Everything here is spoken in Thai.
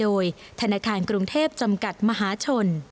โดยธนาคารกรุงเทพจำกัดมหาชน